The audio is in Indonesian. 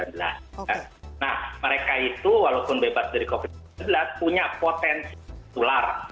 nah mereka itu walaupun bebas dari covid sembilan belas punya potensi tular